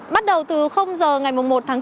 bắt đầu từ giờ ngày một tháng bốn